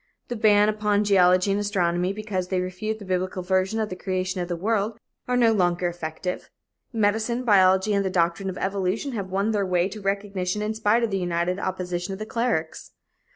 The ban upon geology and astronomy, because they refute the biblical version of the creation of the world, are no longer effective. Medicine, biology and the doctrine of evolution have won their way to recognition in spite of the united opposition of the clerics.